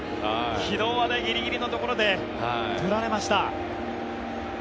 昨日はギリギリのところでとられました。